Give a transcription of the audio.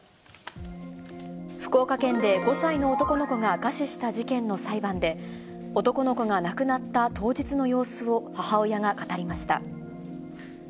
福岡県で、５歳の男の子が餓死した事件の裁判で、男の子が亡くなった当日の様子を、母親が語りました。